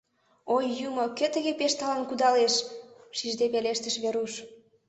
— Ой, юмо, кӧ тыге пеш талын кудалеш! — шижде пелештыш Веруш.